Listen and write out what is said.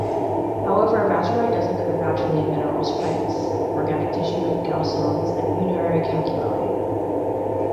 However, vaterite does occur naturally in mineral springs, organic tissue, gallstones, and urinary calculi.